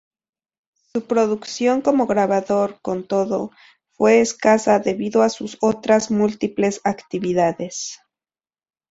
Su producción como grabador, con todo, fue escasa debido a sus otras múltiples actividades.